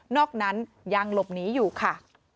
อกนั้นยังหลบหนีอยู่ค่ะ